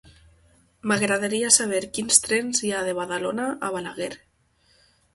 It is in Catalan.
M'agradaria saber quins trens hi ha de Badalona a Balaguer.